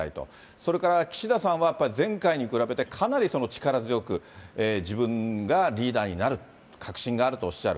それから岸田さんは、やっぱり前回に比べてかなり力強く、自分がリーダーになる確信があるとおっしゃる。